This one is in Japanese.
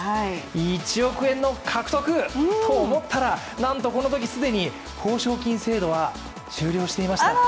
１億円獲得と思ったら、なんとこのとき既に褒賞金制度は終了していました。